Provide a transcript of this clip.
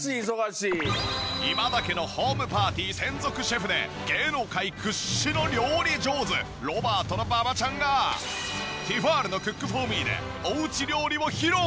今田家のホームパーティー専属シェフで芸能界屈指の料理上手ロバートの馬場ちゃんがティファールのクックフォーミーでおうち料理を披露！